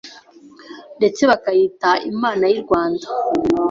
ndetse bakayita Imana y’i Rwanda.